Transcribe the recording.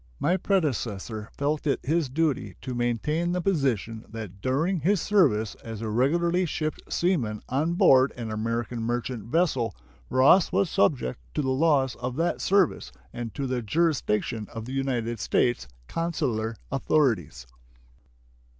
My predecessor felt it his duty to maintain the position that during his service as a regularly shipped seaman on board an American merchant vessel Ross was subject to the laws of that service and to the jurisdiction of the United States consular authorities.